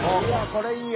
これいいや！